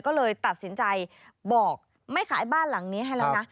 ก็เลยตัดสินใจบอกไม่ขายบ้านหลังนี้ให้แล้วนะ